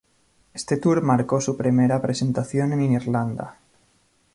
Éste tour marcó su primera presentación en Irlanda.